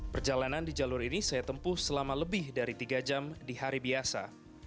perjalanan di jalur ini saya tempuh selama lebih dari tiga jam di hari biasa